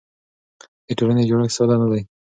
د ټولنې جوړښت ساده نه دی.